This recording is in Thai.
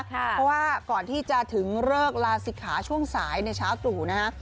เพราะว่าก่อนที่จะถึงเลิกลาศิกขาช่วงสายในเช้าตรู่นะฮะ